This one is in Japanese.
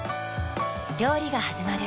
料理がはじまる。